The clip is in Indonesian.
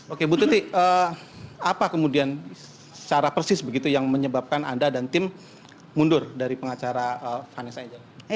oke bu tuti apa kemudian secara persis begitu yang menyebabkan anda dan tim mundur dari pengacara vanessa angel